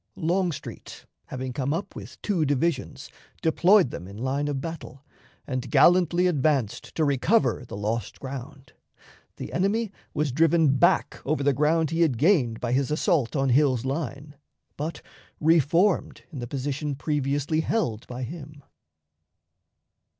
Longstreet, having come up with two divisions, deployed them in line of battle, and gallantly advanced to recover the lost ground. The enemy was driven back over the ground he had gained by his assault on Hill's line, but reformed in the position previously held by him.